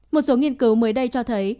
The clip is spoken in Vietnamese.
một số nghiên cứu mới đây cho thấy